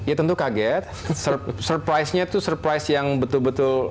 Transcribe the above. ya tentu kaget surprisenya itu surprise yang betul betul